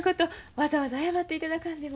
わざわざ謝っていただかんでも。